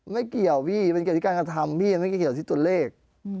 ไม่เกี่ยวพี่มันเกี่ยวกับการทำพี่มันไม่เกี่ยวที่ตัวเลข